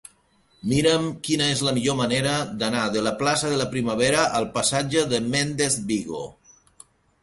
Mira'm quina és la millor manera d'anar de la plaça de la Primavera al passatge de Méndez Vigo.